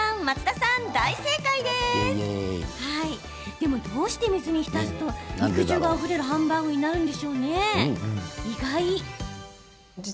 でも、どうして水に浸すと肉汁があふれるハンバーグになるの？